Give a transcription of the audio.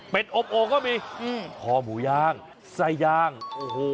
เป็ดอบโอก็มีพ่อหมูยางไส้ยางโอ้โฮ